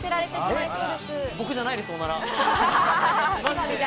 僕じゃないです、オナラ。